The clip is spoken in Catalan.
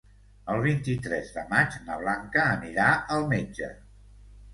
El vint-i-tres de maig na Blanca anirà al metge.